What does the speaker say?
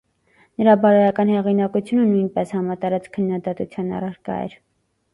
Նրա բարոյական հեղինակությունը նույնպես համատարած քննադատության առարկա էր։